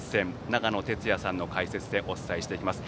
長野哲也さんの解説でお伝えしていきます。